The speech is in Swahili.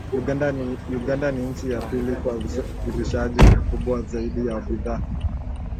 Uganda ni nchi ya pili kwa usafirishaji mkubwa zaidi wa bidhaa